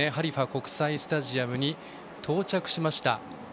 国際スタジアムに到着しました。